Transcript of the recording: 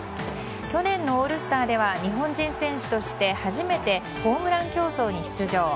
去年のオールスターでは日本人選手として初めてホームラン競争に出場。